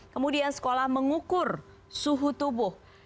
kemudian sekolah mengukur suhu tubuh